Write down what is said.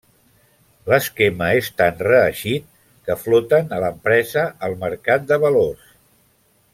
L'esquema és tan reeixit que floten a l'empresa al Mercat de Valors.